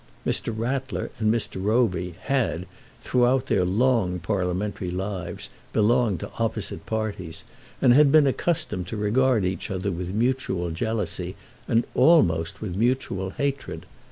Mr. Rattler and Mr. Roby had throughout their long parliamentary lives belonged to opposite parties, and had been accustomed to regard each other with mutual jealousy and almost with mutual hatred.